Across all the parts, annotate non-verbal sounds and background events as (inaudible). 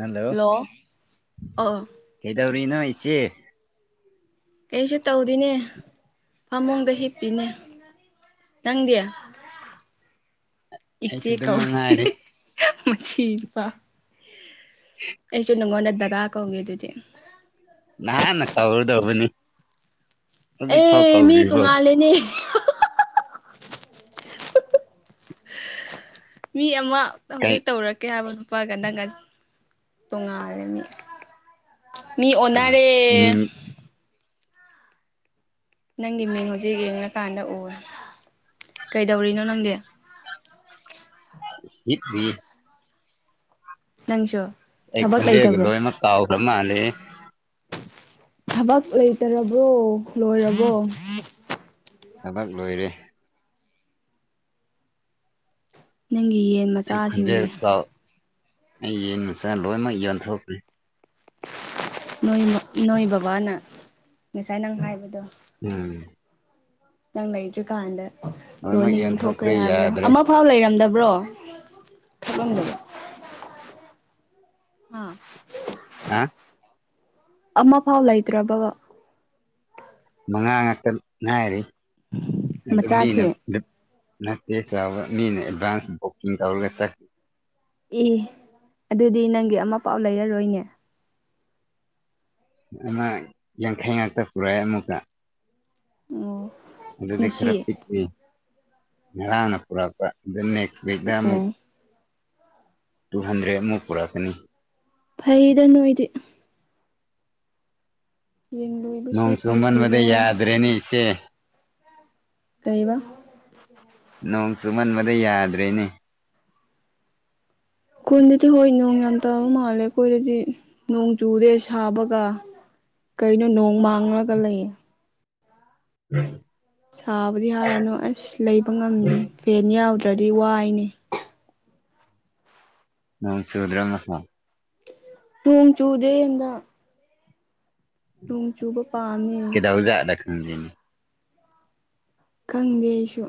hello hello ꯑ ꯇꯔꯤꯅ ꯏꯆꯦ ꯀꯩꯁꯨ ꯇꯧꯗꯅꯦ ꯐꯃꯨꯡꯗ ꯍꯤꯞꯄꯤꯅꯦ ꯅꯪꯗꯌꯥ ꯑꯩꯁꯨ ꯏꯆꯦ ꯑꯗꯨꯝ ꯀꯥꯎ ꯉꯥꯏꯔꯤ ꯃ ꯑꯦꯁꯨ ꯅꯪꯒꯣꯟꯅ ꯗꯗꯥ ꯀꯒꯦ ꯇꯗꯤꯦ ꯅ ꯅ ꯀꯧꯔꯗꯧꯕꯅꯤ ꯍꯧꯖꯤꯛꯐꯥꯎ ꯑꯦ ꯃꯤ ꯀꯧꯗ꯭ꯔꯤꯕꯣ ꯇꯣꯡꯉꯥꯜꯂꯦꯅꯦ ꯃꯤ ꯑꯃ ꯀꯩ ꯍꯧꯖꯤꯛ ꯇꯧꯔꯛꯀꯦ ꯍꯥꯏꯕꯅꯣ ꯄꯥ ꯀꯗꯪꯒ ꯇꯣꯉꯥꯒꯅꯤ ꯃꯤ ꯑ ꯑꯣꯔ ꯃꯤꯡ ꯅꯪꯒꯤ ꯃꯤꯡ ꯍꯧꯖꯤꯛ ꯌꯦꯡꯂꯡꯀꯥꯟꯗ ꯎꯔꯦ ꯀꯩꯗꯧꯔꯤꯅꯣ ꯅꯪꯗꯤ ꯍ ꯅꯪꯁꯨꯣ ꯑꯩ ꯄꯟ ꯗꯦꯒ ꯂꯣꯏꯅꯃꯛ ꯀꯥꯎꯈ꯭ꯔ ꯃꯥꯜꯂꯦ ꯊꯕꯛ ꯂꯩꯇꯔꯕ꯭ꯔꯣ ꯂꯣꯏꯔꯕꯣ ꯊꯕꯛ ꯂꯣꯏꯔꯦ ꯅꯪꯒꯤ ꯌꯦꯟ ꯑꯩ ꯈꯣꯟꯖꯦꯜ ꯃꯆꯥꯁꯤꯡꯁ ꯀꯥꯎ ꯑꯩ ꯉꯅꯨꯡꯁꯥꯏ ꯂꯣꯏꯅꯃꯛ ꯌꯟꯊꯣꯛꯈ꯭ꯔꯦ ꯅꯣꯏ ꯅꯣꯏ ꯕꯕꯥꯅ ꯉꯁꯥꯏ ꯅꯪ ꯍꯥꯏꯕꯗꯣ ꯎꯝ ꯅꯪ ꯂꯩꯇ꯭ꯔꯤꯀꯥꯟꯗ ꯂꯣꯏꯅꯃꯛ ꯂꯣꯏꯅ ꯌꯣꯟꯊꯣꯛꯈ꯭ꯔꯦ ꯍꯥꯏꯕꯗꯣ ꯌꯥꯗ꯭ꯔꯦ ꯑꯃꯐꯥꯎ ꯂꯩꯔꯝꯗꯕ ꯕ꯭ꯔꯣ ꯊꯂꯝꯗꯣ ꯑꯥ ꯍꯥ ꯑꯃ ꯐꯥꯎ ꯂꯩꯇ꯭ꯔꯥ ꯕꯕꯥ ꯑꯉꯥꯡ ꯉꯥꯛꯇ ꯉꯥꯏꯔꯤ ꯑꯗꯨ ꯃꯤꯅ ꯃꯆꯥꯁꯦ ꯅꯠꯇꯦꯁ ꯃꯤꯅ ꯑꯦꯗꯚꯟꯁ ꯣꯣꯛꯁꯤꯡ ꯀꯧꯔꯒ ꯆꯀꯂꯤ ꯑꯦ ꯑꯗꯨꯗꯤ ꯅꯪꯒꯤ ꯑꯃ ꯄꯥꯎ ꯂꯩꯔꯔꯣꯏꯅꯦ ꯑ ꯌꯦꯡꯈꯥꯏ ꯌꯪꯛꯇ ꯄꯔꯥꯏ ꯑꯃꯨ ꯀ ꯎꯝ ꯑꯗꯨꯗꯤ ꯈꯔ ꯄꯤꯛꯏ ꯉꯔꯥꯡꯅ ꯄꯨꯔꯛꯄ ꯑꯗꯨ ꯅꯦꯛꯁ ꯋꯤꯛꯗ ꯑꯣ ꯑꯃꯨꯛ ꯇꯨ ꯍꯟꯗ꯭ꯔꯦꯗꯃꯨꯛ ꯄꯨꯔꯛꯀꯅꯤ ꯐꯩꯗ ꯅꯣꯏꯗꯤ ꯌꯦꯟ ꯅꯣꯡ ꯂꯣꯏꯕꯁꯨ ꯌꯥꯝ ꯆꯨꯃꯟꯕꯗ ꯍꯩꯔꯦ ꯌꯥꯗ꯭ꯔꯦꯅꯦ ꯏꯆꯦ ꯀꯕ ꯅꯣꯡ ꯆꯨꯃꯟꯕꯗ ꯌꯥꯗ꯭ꯔꯦꯅꯦ ꯈꯨꯟꯗꯗꯤ ꯍꯣꯏ ꯅꯣꯡ ꯌꯥꯝ ꯇꯥꯕ ꯃꯥꯜꯂꯦ ꯑꯩꯈꯣꯏꯗꯗꯤ ꯅꯣꯡ ꯆꯨꯗꯦ ꯁꯥꯕꯒ ꯀꯩꯅꯣ ꯅꯣꯡ ꯃꯥꯡꯂꯒ ꯂꯩꯌꯦ ꯎꯝ ꯁꯥꯕꯨꯗꯤ ꯍꯥꯔꯅꯨ ꯑꯁ ꯂꯩꯕ ꯉꯝꯗꯦ ꯐꯦꯟ ꯌꯥꯎꯗ꯭ꯔꯗꯤ ꯋꯥꯏꯅꯦ ꯃꯟꯁꯤꯗ ꯔ ꯔꯃꯥꯟ ꯊꯣꯡ ꯆꯨꯗ ꯍꯗ ꯅꯣꯡ ꯆꯨꯕ ꯄꯥꯝꯃꯤ ꯎꯝꯖ ꯈꯪꯗꯦ ꯑꯩꯁꯨ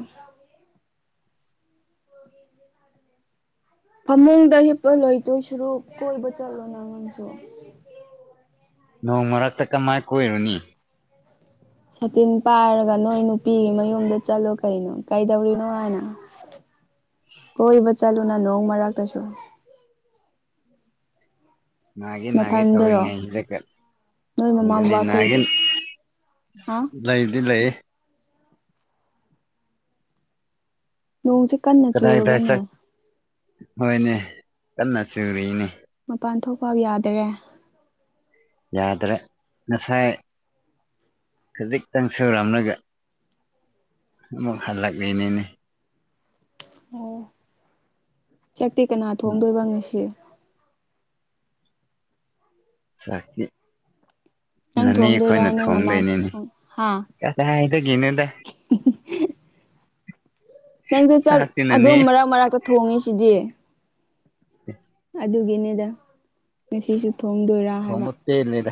ꯐꯃꯨꯡꯗ ꯍꯤꯞꯄ ꯂꯣꯏꯗꯣꯏ ꯁꯨꯔꯨ ꯀꯣꯏꯕ ꯆꯠꯂꯣ ꯅꯉꯥꯡꯁꯨ ꯅꯣꯡ ꯃꯔꯛꯇ ꯀꯃꯥꯏ ꯀꯣꯏꯔꯨꯅꯤ ꯁꯇꯤꯟ ꯄꯥꯔꯒ ꯅꯣꯏ ꯅꯨꯄꯤꯒꯤ ꯃꯌꯨꯝꯗ ꯆꯠꯂꯣ ꯀꯩꯅꯣ ꯀꯩꯗꯧꯔꯤꯅꯣ ꯍꯥꯏꯅ (unintelligible) ꯀꯣꯏꯕ ꯆꯂꯨꯅꯥ ꯅꯣꯡꯉ ꯃꯔꯔꯒ ꯇꯁꯨ ꯅꯥꯒꯦ ꯅꯥꯒꯦ ꯅꯊꯟꯗꯔꯣ ꯇꯧꯔꯤꯉꯩ ꯍꯗꯀ ꯅꯣꯏ ꯃꯃꯥ ꯈꯟꯗꯅꯤ ꯕꯕꯥ ꯅꯥꯒꯦ ꯈꯣꯏꯗꯤ ꯍꯥ ꯂꯩꯗꯤ ꯂꯩꯌꯦ ꯅꯣꯡꯁꯦ ꯀꯟꯅ ꯀꯗꯥꯏ ꯀꯗꯥꯏ ꯆꯨꯔꯕꯅꯦ ꯆꯠ ꯍꯣꯏꯅꯦ ꯀꯟꯅ ꯆꯨꯔꯤꯅꯦ ꯃꯄꯥꯟ ꯊꯣꯛꯐꯥꯎ ꯌꯥꯗꯔꯦ ꯌꯥꯗ꯭ꯔ ꯉꯁꯥꯏ ꯈꯖꯤꯛꯇꯪ ꯁꯨꯔꯝꯂꯒ ꯑꯃꯨꯛ ꯍꯜꯂꯛꯂꯤꯅꯤꯅꯦ ꯑꯣ ꯆꯛꯇꯤ ꯀꯅꯥ ꯊꯣꯡꯗꯣꯏꯕ ꯉꯁꯤ ꯆꯀꯤ ꯅꯪ ꯅꯅꯤ ꯑꯩꯈꯣꯏꯅ ꯊꯣꯡꯗꯣꯏꯔꯥ ꯅꯣꯏ ꯃꯃꯥ ꯊꯣꯡꯗꯣꯏꯅꯤꯅꯤ ꯊꯣꯡ ꯍꯥ ꯀꯁꯥꯏ ꯍꯥꯏꯗꯒꯤꯅꯣꯗ (unintelligible) ꯅꯪꯁꯨ ꯆ ꯑꯗꯨꯝ ꯃꯔꯛ ꯃꯔꯛꯇ ꯊꯣꯡꯉꯤ ꯁꯤꯗꯤ ꯑꯗꯨꯒꯤꯅꯤꯗ ꯉꯁꯤꯁꯨ ꯊꯣꯡꯗꯣꯏꯔꯥ ꯍꯥꯏꯕ ꯊꯣꯡꯕ ꯄꯦꯜꯂꯦꯗ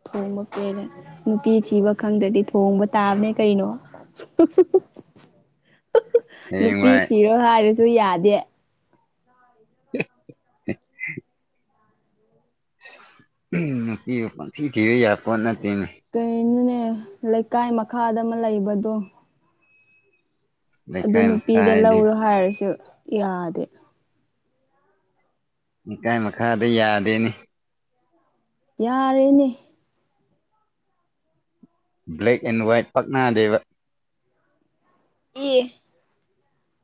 ꯎ ꯊꯣꯡꯕ ꯀꯦꯅꯦꯦ ꯅꯨꯄꯤ ꯊꯤꯕ ꯈꯪꯗ꯭ꯔꯗꯤ ꯊꯣꯡꯕ ꯇꯥꯕꯅꯦ ꯀꯩꯅꯣ ꯅꯨꯄꯤ ꯍꯌꯦꯡꯋꯥꯏ ꯊꯤꯔꯣ ꯍꯥꯏꯔꯁꯨ ꯌꯥꯗꯦ (unintelligible) ꯅꯨꯄꯤ ꯄꯪꯊꯤ ꯊꯤꯔ ꯌꯥꯄꯣꯠ ꯅꯠꯇꯦ ꯀꯩꯅꯣꯅꯦ ꯂꯩꯀꯥꯏ ꯃꯈꯥꯗ ꯑꯃ ꯂꯩꯕꯗꯣ ꯑꯗꯨ ꯂꯩꯀꯥꯏ ꯃꯈꯥ ꯅꯨꯄꯤꯗ ꯍꯥꯏꯗꯤ ꯂꯧꯔꯣ ꯍꯥꯏꯔꯁꯨ ꯌꯥꯗꯦ ꯂꯩꯀꯥꯏ ꯃꯈꯥꯗ ꯌꯥꯗꯦꯅꯤ ꯌꯥꯔꯦꯅꯦ ꯕ꯭ꯂꯦꯛꯥꯛ ꯑꯦꯟ ꯍꯏꯠ ꯄꯛꯅꯥꯗꯦꯕ ꯑꯦ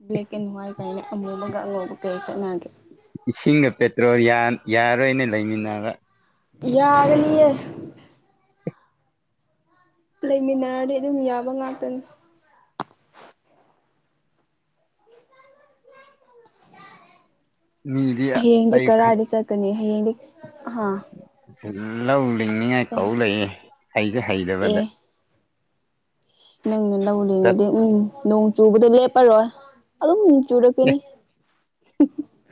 ꯕ꯭ꯂꯦꯛ ꯑꯦꯟ ꯍ꯭ꯋꯥꯏꯠ ꯀꯥꯏꯅ ꯑꯃꯨꯕꯒ ꯑꯉꯧꯕꯧꯕ ꯀꯔꯤ ꯈꯠꯅꯒꯦ ꯏꯁꯤꯡꯒ ꯄꯦꯇ꯭ꯔꯣꯜ ꯌꯥꯔꯣꯏꯅ ꯂꯩꯃꯤꯟꯅꯕ ꯌꯥꯒꯦ ꯂꯩꯃꯤꯟꯅꯔꯗꯤ ꯑꯗꯨꯝ ꯌꯥꯕ ꯉꯥꯛꯇꯅꯤ ꯃꯤꯗꯤ ꯍꯌꯦꯡꯗꯤ ꯑꯇꯩ ꯀꯔꯗꯤ ꯆꯠꯀꯅꯤ ꯍꯌꯦꯡꯗꯤ ꯍꯥ ꯂꯧ ꯂꯤꯡꯅꯤꯉꯥꯏ ꯇꯧ ꯂꯩꯌꯦ ꯍꯩꯁꯨ ꯍꯩꯇꯕꯗ ꯑꯦ ꯅꯪꯅ ꯂꯧꯂꯤꯡꯉꯗꯤ ꯆꯠꯀꯦ ꯎꯝ ꯅꯣꯡ ꯆꯨꯕꯗ ꯂꯦꯞꯄꯔꯣꯏ ꯑꯗꯨꯝ ꯆꯨꯔꯛꯀꯅꯤ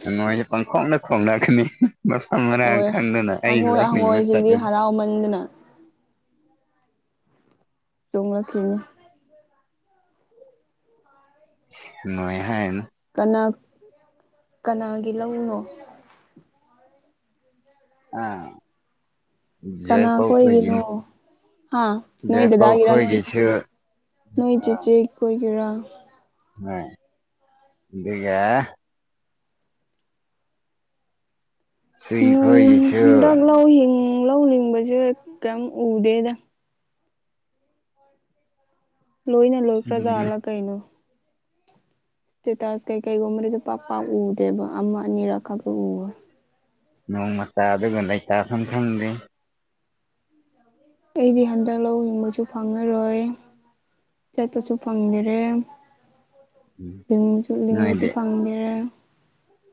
ꯍꯡꯉꫭꯏꯁꯦ ꯄꯪꯈꯣꯡꯗ ꯈꯣꯡꯅꯛꯒꯅꯤ ꯃꯁ ꯃꯔꯥꯡ ꯍꯣꯏ ꯈꯪꯗꯅ ꯑꯩ ꯍꯪꯉꯣꯏ ꯂꯧꯂꯤꯡꯕ ꯍꯪꯉꯣꯏꯁꯤꯡꯗꯤ ꯆꯠꯂꯗꯤ ꯍꯔꯥꯎꯃꯟꯗꯅ ꯇꯨꯡꯂꯛꯈꯤꯅꯤ ꯅꯣꯏꯍꯥꯏꯅꯨ ꯀꯅꯥ ꯀꯅꯥꯒꯤ ꯂꯧꯅꯣ ꯑꯥ ꯖꯣꯏ ꯀꯅꯥ ꯄꯥꯎꯈꯣꯏꯒꯤꯅꯤ ꯈꯣꯏꯒꯤꯅꯣ ꯍꯥ ꯅꯣꯏ ꯗꯗꯥꯒꯤꯔꯥ ꯅꯣꯏ ꯖꫭꯏꯄꯥꯎꯈꯣꯏꯒꯤꯁꯨ ꯅꯣꯏ ꯑ ꯆꯦꯆꯦ ꯈꯣꯏꯒꯤꯔꯥ ꯍꫭꯏ ꯑꯗꯨꯒ ꯆꯨꯏ ꯉꯟ ꯈꯣꯏꯒꯤꯁꯨ ꯍꯟꯗꯛ ꯂꯧ ꯍꯤꯡ ꯂꯧ ꯂꯤꯡꯕꯁꯦ ꯀꯔꯤꯝ ꯎꯗꯦꯗ ꯂꯣꯏꯅ ꯂꯣꯏ ꯈ꯭ꯔꯖꯥꯠꯂ ꯀꯩꯅꯣ ꯏꯁꯇꯦꯇꯁ ꯀꯩꯀꯩꯒꯨꯝꯕꯗꯁꯨ ꯄꯥꯛꯄꯥꯛ ꯎꯗꯦꯕ ꯑꯃ ꯑꯅꯤꯔꯛ ꯈꯛꯇ ꯎꯏ ꯅꯣꯡꯃꯇꯥꯗꯨꯒ ꯂꯩꯇꯥꯥꯐꯝ ꯈꯪꯗꯦ ꯑꯩꯗꯤ ꯍꯟꯗꯛ ꯂꯧ ꯍꯤꯡꯕꯁꯨ ꯐꯪꯉꯔꯣꯏ ꯆꯠꯄꯁꯨ ꯐꯪꯗꯦꯔꯦ ꯎꯝ ꯂꯤꯡꯕꯁꯨ ꯂꯤꯡꯕꯁꯨ ꯅꯣꯏꯗꯤ ꯐꯪꯗꯔꯦ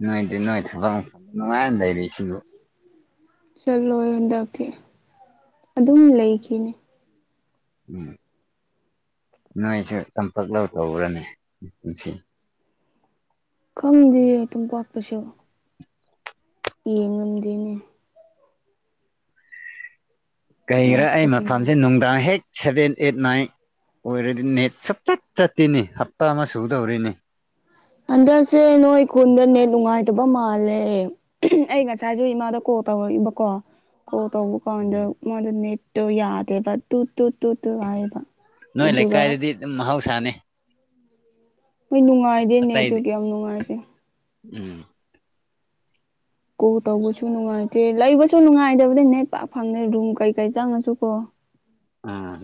ꯅꯣꯏꯗꯤ ꯅꯣꯏ ꯊꯕꯛ ꯃꯐꯝꯗ ꯅꯨꯡꯉꯥꯏꯅ ꯂꯩꯔꯤꯁꯤꯕꯨ ꯆꯠꯂꯣ ꯍꯟꯗꯛꯇꯤ ꯑꯗꯨꯝ ꯂꯩꯈꯤꯅꯤ ꯎꯝ ꯅꯣꯏꯁꯨ ꯇꯝꯄꯥꯛ ꯂꯧ ꯇꯧꯕ꯭ꯔꯅꯦ ꯀꯨꯝꯁꯤ ꯈꯪꯗꯤꯌꯦ ꯇꯝꯄꯥꯛꯇꯁꯨ ꯌꯦꯡꯉꯝꯗꯦꯅꯦ ꯀꯩꯔ ꯑꯩ ꯂꯥꯞꯄꯗꯨꯒ ꯃꯐꯝꯁꯦ ꯅꯨꯡꯗꯥꯡ ꯍꯦꯛ ꯁꯚꯦꯟ ꯑꯦꯠ ꯅꯥꯏꯟ ꯑꯣꯏꯔꯗꯤ ꯅꯦꯠ ꯁꯨꯞꯆꯠ ꯆꯠꯇꯤꯅꯤ ꯍꯞꯇꯥ ꯑꯃ ꯁꯨꯗꯧꯔꯤꯅꯤ ꯍꯟꯗꯛꯁꯦ ꯅꯣꯏ ꯈꯨꯟꯗ ꯅꯦꯠ ꯅꯨꯡꯉꯥꯏꯇꯕ ꯃꯥꯜꯂꯦ ꯑꯩ ꯉꯁꯥꯏꯁꯨ ꯏꯃꯥꯗ ꯀꯣ ꯀꯜ ꯇꯧꯔꯛꯏꯕꯀꯣ ꯀꯣꯜ ꯇꯧꯕ ꯀꯥꯟꯗ ꯃꯥꯗ ꯅꯦꯠꯇꯣ ꯌꯥꯗꯦꯕ ꯇ ꯇꯨ ꯇꯨ ꯇꯨ ꯍꯥꯏꯕ ꯑꯗꯨꯒ ꯁꯅꯦ ꯍꯣꯏ ꯅꯨꯡꯉꯥꯏꯗꯦꯅꯦ ꯑꯗꯨ ꯌꯥꯝ ꯅꯨꯡꯉꯥꯏꯇꯦ ꯎꯝ ꯀꯣ ꯇꯧꯕꯁꯨ ꯅꯨꯡꯉꯥꯏꯇꯦ ꯂꯩꯕꯁꯨ ꯅꯨꯡꯉꯥꯏꯇꯕꯗꯤ ꯅꯦꯠ ꯄꯥꯛ ꯐꯪꯗꯦ ꯔꯨꯝ ꯀꯩꯀꯩ ꯆꯪꯉꯁꯨ ꯀꯣ ꯑꯝ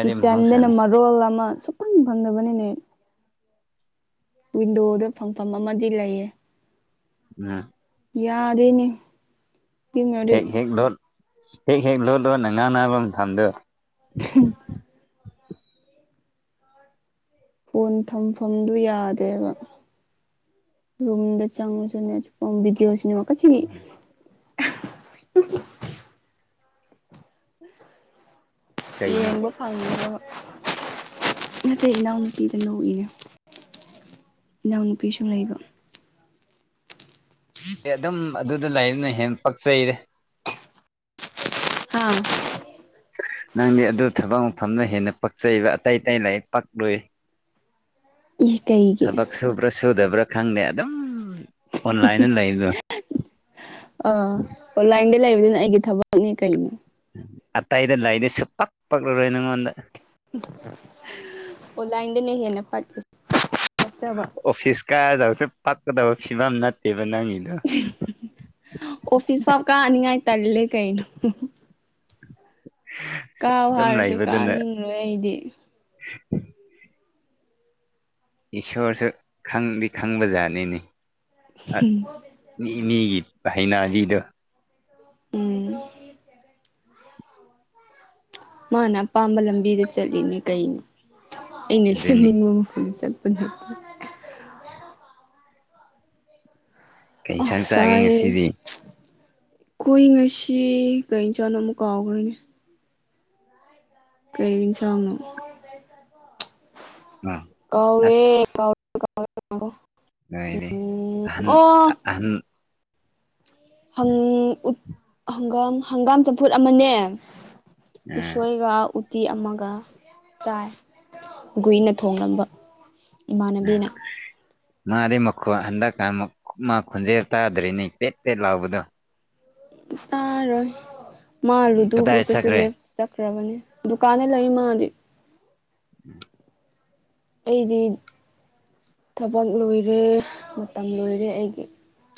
ꯀꯤꯠꯆꯟꯗꯅ ꯃꯔꯣꯜ ꯑꯃ ꯁꯨꯐꯪ ꯐꯪꯗꯕꯅꯤ ꯅꯦꯠ ꯋꯤꯟꯗꯣꯗ ꯐꯪꯐꯝ ꯑꯃꯗꯤ ꯂꯩꯌꯦ ꯎꯝ ꯌꯥꯗꯦꯅꯦ ꯁꯤꯃꯗꯤ ꯍꯦꯛ ꯍꯦꯛ ꯂꯣꯠ ꯍꯦꯛ ꯍꯦꯛ ꯂꯣꯠ ꯂꯣꯠ ꯅꯥꯉꯅꯕ ꯃꯊꯝꯗꯨ (unintelligible) ꯐꯣꯟ ꯊꯝꯐꯝꯗꯨ ꯌꯥꯗꯦꯕ ꯔꯨꯝꯗ꯭ꯔ ꯆꯪꯕꯁꯨ ꯅꯦꯠꯁꯨ ꯐꯪ ꯕꯤꯗꯤꯌꫭꯁꯤꯅ (unintelligible) ꯀꯩꯅꯣ ꯌꯦꯡꯕ ꯐꯪꯅꯕ ꯅꯠꯇꯦ ꯏꯅꯥꯎ ꯅꯨꯄꯤꯗ ꯅꫭꯛꯏꯅꯦ ꯏꯅꯥꯎꯅꯨꯄꯤꯁꯨ ꯂꯩꯕ ꯑꯦ ꯑꯗꯨꯝ ꯑꯗꯨꯗ ꯂꯩꯅ ꯍꯦꯟꯅ ꯄꯛꯆꯩꯗ ꯍꯥ ꯅꯪꯗꯤ ꯑꯗꯨ ꯊꯕꯛ ꯃꯐꯝꯅ ꯍꯦꯟꯅ ꯄꯛꯆꯩꯕ ꯑꯇꯩ ꯑꯇꯩ ꯂꯩ ꯄꯛꯂꯨꯏ ꯏ ꯀꯩꯒꯤ ꯊꯕꯛ ꯁꯨꯕ꯭ꯔ ꯁꯨꯗꯕ꯭ꯔ ꯈꯪꯗꯦ ꯑꯗꯨꯝ ꯑꯣꯟꯂꯥꯏꯟꯗ ꯂꯩꯕꯗꯣ (unintelligible) ꯂꯩꯕꯗꯨꯅ ꯑꯩꯒꯤ ꯊꯕꯛꯅꯤ ꯀꯔꯤꯅꯣ ꯑꯇꯩꯗ ꯂꯥꯏꯗꯤ ꯁ ꯄꯛ ꯄꯛꯂꯔꯣꯏ ꯅꯪꯉꯣꯟꯗ ꯂꯥꯏꯟꯗꯅꯦ ꯍꯦꯟꯅ ꯐꯀꯤꯦ ꯑꯣꯐꯤꯁ ꯀꯥꯏꯗꯁꯦ ꯄꯥꯛꯀꯗꯕ ꯁꯤꯤꯕꯝ ꯅꯠꯇ ꯑꯣꯐꯤꯁꯤꯁ ꯐꯥꯎ ꯀꯥꯅꯤꯉ ꯇꯜꯂꯦ ꯀꯩꯩꯅ ꯀꯥꯎ ꯑꯗꯨꯝ ꯍꯥꯏꯔꯁꯨ ꯂꯩꯕꯗꯨꯅ ꯀꯥꯅꯤꯡꯂꯣꯏ ꯑꯩꯗꯤ ꯏꯁꯣꯔꯁꯨ ꯈꯪꯗꯤ ꯈꯪꯕꯖꯥꯠꯅꯤꯅꯤ ꯏꯒꯤ ꯍꯥꯏꯥꯏꯅꯥꯗꯤꯗ ꯎꯝ ꯃꯥꯅ ꯄꯥꯡꯝꯕ ꯂꯝꯕꯤꯗ ꯆꯂꯤꯅꯤ ꯀꯩꯅꯤ ꯑꯗꯨꯅꯤ ꯏꯅꯦꯃ ꯐ ꯆꯠꯄ ꯀꯩ ꯌꯦꯟꯁꯥꯡ ꯆꯥꯒꯦ ꯉꯁꯤꯗꯤ ꯈꯣꯏ ꯉꯁꯤ ꯀꯩ ꯏꯆꯥꯥꯅꯣ ꯑꯃꯨꯛ ꯀꯥꯎꯈ꯭ꯔꯦꯅꯦ ꯀꯩ ꯆꯥꯎꯃ ꯑꯥ ꯀꯧꯔꯦ ꯀꯥꯎ ꯀ ꯌꯥꯔꯦ ꯑꯍꯟ ꯑꯍꯟ ꯪꯒꯥꯝ ꯍꯪꯒꯥꯝ ꯆꯝꯐꯨꯠ ꯑꯃꯅꯦ ꯑ ꯎꯁꯣꯏꯒ ꯇꯤ ꯑꯃꯒ ꯆꯥꯏ ꯒꯨꯏꯅ ꯊꯣꯡꯂꯕ ꯎꯝ ꯃꯥꯗꯤ ꯃꯈꯣꯠ ꯍꯟꯗꯛꯀꯥꯟ ꯃꯥ ꯈꯣꯟꯖꯦꯜ ꯇꯥꯗ꯭ꯔꯤꯅꯤ ꯄꯦꯠ ꯄꯦꯠ ꯂꯥꯎꯕꯗꯣ ꯇꯔꯣꯏ ꯃꯥ ꯂꯨꯗꯨ ꯀꯗꯥꯏ ꯒ꯭ꯔꯨꯞꯀꯁꯨ ꯆꯠꯈ꯭ꯔꯦ ꯂꯦꯞ ꯆꯠꯈ꯭ꯔꯕꯅꯦ ꯗꯨꯀꯥꯟꯗ ꯂꯩ ꯃꯥꯗꯤ ꯎꯝ ꯑꯩꯗꯤ ꯊꯕꯛ ꯂꯣꯏꯔꯦ ꯃꯇꯝ ꯂꯣꯏꯔꯦ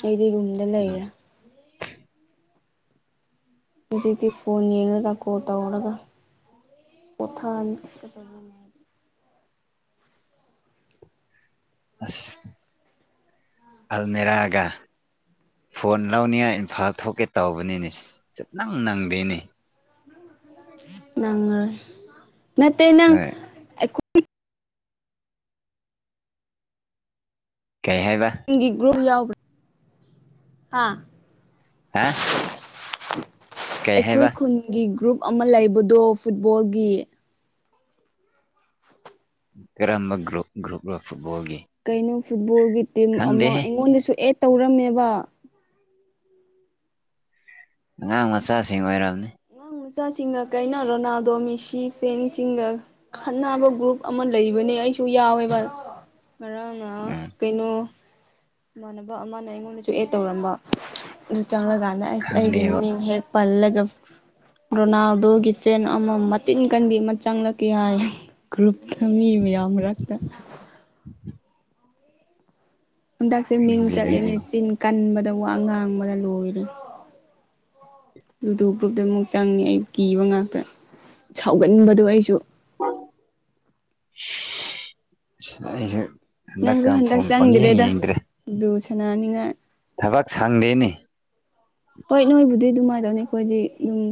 ꯑꯩꯒꯤ ꯔꯨꯝꯗ ꯎꯝ ꯂꯩꯔꯥ ꯍꯧꯖꯤꯗꯤ ꯐꯣꯟ ꯌꯦꯡꯂꯡꯉꯒ ꯀꯣꯜ ꯇꯧꯔꯒ ꯎꯊꯥ ꯑꯁ ꯑꯜꯃꯦꯔꯥꯒ ꯐꯣꯟ ꯂꯧꯅꯤꯉ ꯏꯝꯐꯥꯜ ꯊꯣꯛꯀꯦ ꯇꯧꯕꯅꯤꯅꯦ ꯁꯨꯞ ꯅꯪ ꯅꯪꯗꯦꯅꯤ ꯅꯪ ꯅꯠꯇ ꯍꯣꯏ ꯅꯪꯣꯏ ꯀꯩ ꯍꯥꯏꯕ ꯅꯪꯒꯤ ꯒ꯭ꯔꯨ ꯌꯥꯎꯕ꯭ꯔꯥ ꯍꯥ ꯍꯥ ꯀꯩ ꯑꯩꯈꯣꯏ ꯍꯥꯏꯕ ꯈꯨꯟꯒꯤ ꯒ꯭ꯔꯨꯞ ꯑꯃ ꯂꯩꯕꯗꯣ ꯐꯨꯠꯕꯣꯜꯒꯤ ꯀꯔ꯭ꯔ꯭ꯔꯨꯞ꯭ꯔ ꯀꯩꯅꯣ ꯐꯨꯠꯕꯣꯜꯒꯤ ꯇꯤꯝ ꯑꯃ ꯈꯪꯗꯦꯍꯦ ꯑꯩꯉꯣꯟꯗꯁꯨ ꯑꯦꯠ ꯇꯧꯔꯝꯃꯦꯕ ꯉꯪ ꯃꯆꯥꯁꯤꯡ ꯑꯣꯏꯏꯔꯜꯅꯤ ꯑꯉꯥꯡ ꯃꯆꯥꯁꯤꯡꯒ ꯀꯩꯅ ꯔꯣꯅꯥꯜꯗꯣ ꯃꯤꯁꯤ ꯐꯦꯡꯁꯤꯡꯒ ꯈꯟꯅꯅꯕ ꯒ꯭ꯔꯨꯞ ꯑꯃ ꯂꯩꯕꯅꯤ ꯑꯩꯁꯨ ꯌꯥꯎꯋꯦꯕ (inaudible) ꯉꯔꯥꯡꯅ ꯎꯝ ꯀꯩꯅꯣ ꯏꯃꯥꯟꯅꯕ ꯑꯃꯅ ꯑꯩꯉꯣꯟꯗꯁꯨ ꯑꯦ ꯇꯧꯔꯝꯕ ꯆꯪꯂꯉꯀꯥꯟꯗ ꯑꯁ ꯑꯩꯒꯤ ꯈꯪꯗꯦꯕ ꯃꯤꯡ ꯍꯦꯛ ꯄꯜꯂꯒ ꯔꯣꯅꯥꯜꯗꯣꯒꯤ ꯐꯦꯟ ꯑꯃ ꯃꯆꯤꯟ ꯀꯟꯕꯤ ꯑꯃ ꯆꯪꯂꯛꯦ ꯍꯥꯏ ꯒ꯭ꯔꯨꯞ ꯈ ꯃꯤꯕ ꯌꯥꯝꯔꯛꯇ ꯍꯟꯗꯛꯁꯦ ꯃꯤꯡ ꯈꯪꯗꯦꯅꯦ ꯆꯠꯂꯦꯅꯦ ꯑꯩꯗꯤ ꯆꯤꯟ ꯀꯟꯕꯗ ꯋꯥ ꯉꯥꯡꯕꯗ ꯂꯣꯏꯔꯦ ꯂꯨꯗꯨ ꯒ꯭ꯔꯨꯞꯇ ꯑꯃꯨꯛ ꯆꯪꯉꯤ ꯑꯩ ꯀꯤꯕ ꯉꯥꯛꯇ ꯁꯥꯎꯒꯟꯕꯗꯣ ꯑꯩꯁꯨ ꯁ ꯅꯪꯁꯨ ꯍꯟꯗꯛ ꯆꯪꯗ꯭ꯔꯦꯗ ꯑꯗꯨ ꯁꯅꯥꯅꯤꯡꯉꯥꯏ ꯊꯕꯛ ꯁꯥꯡꯗꯦꯅꯤ ꯍꯣꯏ ꯅꯣꯏꯕꯨꯗꯤ ꯑꯗꯨꯃꯥꯏꯅ ꯇꯧꯅꯤ ꯑꯩꯈꯣꯏꯗꯤ ꯑꯗꯨꯝ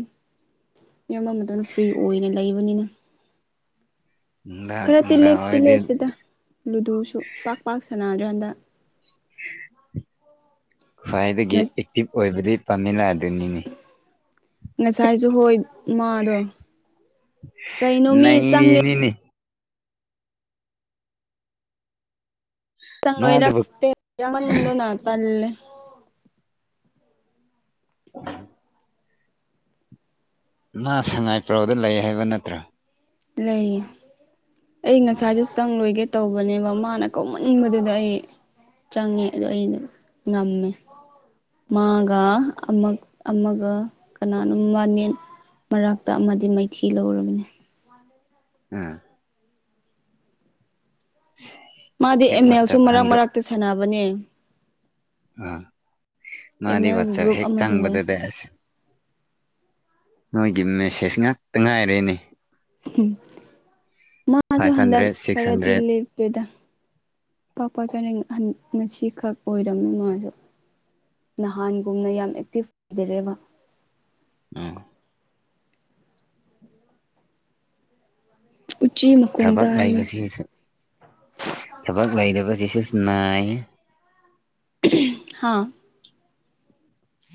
ꯃꯤ ꯑꯃꯃꯇꯅ ꯐ꯭ꯔꯤ ꯑꯣꯏꯅ ꯂꯩꯕ ꯑꯃꯅꯤꯅꯤꯅ ꯅꯨꯡꯗꯥꯡ ꯈꯔ ꯇꯤ ꯅꯨꯡꯗꯥꯡ ꯂꯦꯞꯇꯤ ꯋꯥꯏꯗꯤ ꯂꯦꯞꯇꯦꯗ ꯂꯨꯗꯨꯁꯨ ꯄꯥꯛ ꯄꯥꯛ ꯁꯥꯟꯅꯗ꯭ꯔꯀꯥꯟꯗ ꯈ꯭ꯋꯥꯏꯗꯒꯤ ꯑꯦꯛꯇꯤꯚ ꯑꯣꯏꯕꯗꯤ ꯄꯥꯝꯃꯤꯂꯥ ꯑꯗꯨꯅꯤꯅꯦ ꯉꯁꯥꯏꯖ ꯍꯣꯏ ꯃꯥꯗꯣ ꯀꯩꯅꯣ ꯃꯤ ꯆꯪꯒꯦ ꯅꯩꯔꯤꯅꯤꯅꯦ ꯆ ꯃꯥꯗꯨꯕꯨ ꯔꯁꯇ ꯃꯟꯗꯅ ꯇꯜ ꯎ ꯃꯥ ꯁꯉꯥꯏꯄ꯭ꯔꯧꯗ ꯂꯩ ꯍꯥꯏꯕ ꯅꯠꯇ꯭ꯔꯣ ꯂꯩꯌꯦ ꯑꯩ ꯉꯁꯥꯏꯁꯨ ꯆꯪꯂ ꯂꯣꯏꯒꯦ ꯇꯧꯕꯅꯦꯕ ꯃꯥꯅ ꯀꯧꯃꯟꯕꯗꯨꯗ ꯑꯩ ꯆꯪꯉꯦ ꯑꯗꯣ ꯑꯩꯩꯅ ꯉꯝꯃꯦ ꯃꯥꯒ ꯑꯃꯒ ꯑꯃꯒ ꯀꯅꯥꯅꯣ ꯋꯥꯅꯦ ꯃꯔꯛꯇ ꯑꯃꯗꯤ ꯃꯥꯏꯊꯤ ꯂꯧꯔꯕꯅꯦ ꯑꯝ ꯃꯥꯗꯤ ꯍꯦꯛ ꯑꯃꯦꯜꯁꯨ ꯋꯥꯆꯞ ꯃꯔꯛ ꯃꯔꯛꯇ ꯁꯥꯟꯅꯕꯅꯦ ꯑ ꯑꯦꯝ ꯃꯥꯗꯤ ꯑꯦꯜꯒꯤ ꯋꯥꯆꯦꯕ ꯒ꯭ꯔꯨꯞ ꯍꯦ ꯑꯃꯁꯨ ꯂꯩ ꯆꯥꯡꯕꯗꯨꯗꯁ ꯅꯣꯏꯒꯤ ꯃꯦꯁꯦꯁ ꯉꯥꯛꯇ ꯉꯥꯏꯔꯦꯅꯦ ꯎꯝ ꯃꯥꯁꯨ ꯐꯥꯏꯚ ꯍꯟꯗꯛ ꯍꯟꯗ꯭ꯔꯦꯠ ꯁꯤꯛꯁ ꯍꯟꯗ꯭ꯔꯦꯠ ꯈꯔꯗꯤꯜꯂꯤꯦꯞꯄꯦꯗ ꯄꯄ ꯆ ꯉꯁꯤꯈꯛ ꯑꯣꯏꯔꯝꯃꯤ ꯃꯥꯁꯨ ꯅꯍꯥꯟꯒꯨꯝꯅ ꯌꯥꯝ ꯑꯦꯛꯇꯤꯚ ꯑꯣꯏꯗꯔꯦꯕ ꯎꯝ ꯎꯆꯤ ꯃꯈꯣꯟ ꯊꯕꯛ ꯇꯥꯏꯅꯦ ꯂꯩꯕꯁꯤꯁꯨ ꯊꯕꯛ ꯂꯩꯔꯤꯕꯕꯁꯤꯁꯨ ꯏ (unintelligible) (inaudible) (inaudible) ꯍꯥꯥ